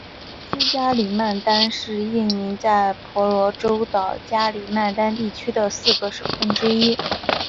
西加里曼丹是印尼在婆罗洲岛加里曼丹地区的四个省份之一。